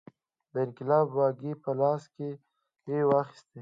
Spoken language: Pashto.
د انقلاب واګې په لاس کې واخیستې.